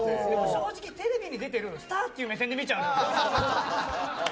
正直、テレビに出ているスターっていう目線で見ちゃうのよ、ほいさんを。